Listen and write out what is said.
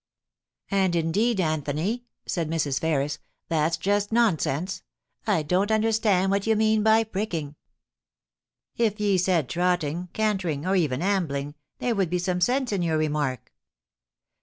* And indeed, Anthony,' said Mrs. Ferris, * that's just non sense. I don't understand what ye mean by pricking. If ye said trotting, cantering, or even ambling, there would be some sense in your remark.'